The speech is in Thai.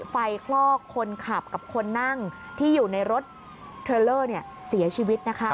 คลอกคนขับกับคนนั่งที่อยู่ในรถเทรลเลอร์เสียชีวิตนะคะ